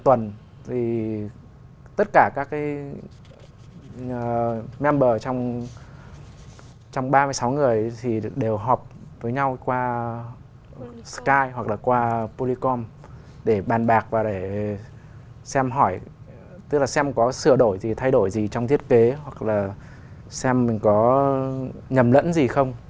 thì tất cả các member trong ba mươi sáu người thì đều họp với nhau qua skype hoặc là qua polycom để bàn bạc và để xem hỏi tức là xem có sửa đổi gì thay đổi gì trong thiết kế hoặc là xem mình có nhầm lẫn gì không